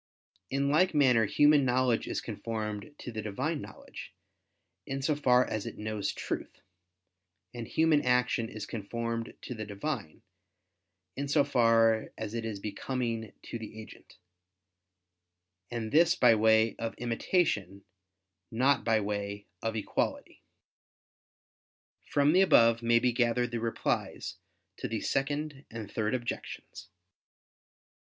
In like manner human knowledge is conformed to the Divine knowledge, in so far as it knows truth: and human action is conformed to the Divine, in so far as it is becoming to the agent: and this by way of imitation, not by way of equality. From the above may be gathered the replies to the Second and Third Objections.